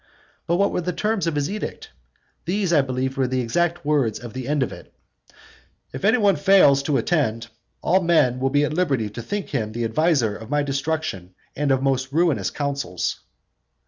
But what were the terms of his edict? These, I believe, are the exact words of the end of it: "If any one fails to attend, all men will be at liberty to think him the adviser of my destruction and of most ruinous counsels".